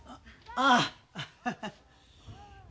ああ。